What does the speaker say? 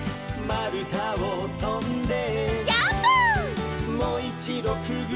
「まるたをとんで」